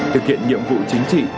thực hiện nhiệm vụ chính trị